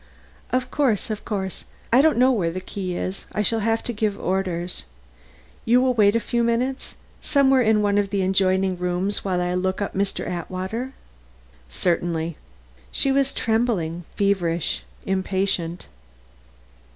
"Of course, of course. I don't know where the key is; I shall have to give orders. You will wait a few minutes, somewhere in one of the adjoining rooms, while I look up Mr. Atwater?" "Certainly." She was trembling, feverish, impatient.